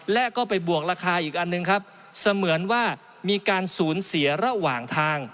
และก็ไปบวกราคาอีกอันหนึ่งครับเสมือนว่ามีการสูญเสียระหว่างทาง